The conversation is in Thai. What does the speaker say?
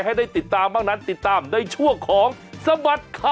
เขียวจาบ